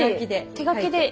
手書きで？